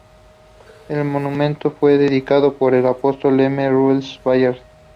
El monumento fue dedicado por el apóstol M. Russell Ballard.